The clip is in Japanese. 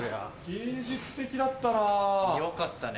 芸術的だったな。